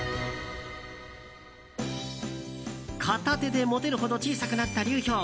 片手で持てるほど小さくなった流氷。